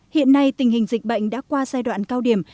hiện nay tình hình dịch bệnh đã qua giai đoạn cao điểm